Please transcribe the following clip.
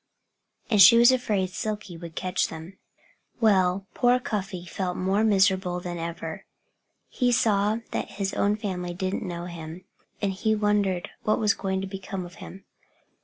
And she was afraid Silkie would catch them. Well, poor Cuffy felt more miserable than ever. He saw that his own family didn't know him. And he wondered what was going to become of him.